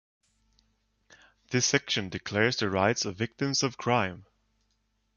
This section declares the rights of victims of crime.